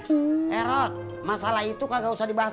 eh rot masalah itu kagak usah dibahas lagi